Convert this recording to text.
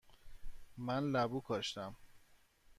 من لبو کاشتم.